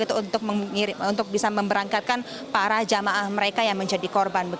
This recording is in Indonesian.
untuk bisa memberangkatkan para jamaah mereka yang menjadi korban